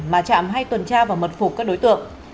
mà trạm hay tuần tra và mật phục các đối tượng